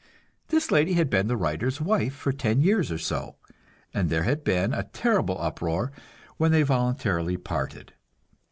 This lady had been the writer's wife for ten years or so, and there had been a terrible uproar when they voluntarily parted.